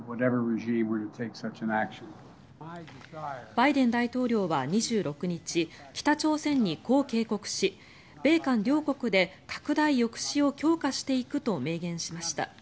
バイデン大統領は２６日北朝鮮に、こう警告し米韓両国で拡大抑止を強化していくと明言しました。